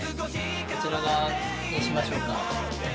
こちら側にしましょうか。